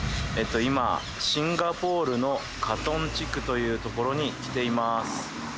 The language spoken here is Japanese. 今シンガポールのカトン地区という所に来ていまーす